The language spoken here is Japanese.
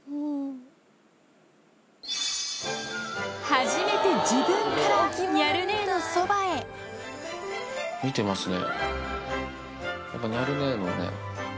初めて自分からニャル姉のそ見てますね。